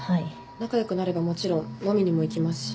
仲良くなればもちろん飲みにも行きますし。